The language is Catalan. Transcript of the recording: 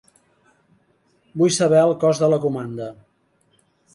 Vull saber el cost de la comanda.